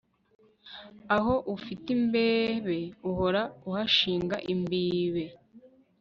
aho ufite imbibe uhora uhashinga imbibe